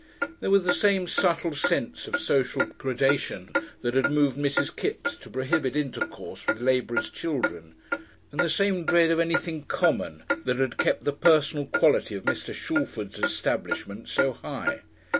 There was the same subtle sense of social graduation that had moved Mrs. Kipps to prohibit intercourse with labourers' children and the same dread of anything "common" that had kept the personal quality of Mr. Shalford's establishment so high.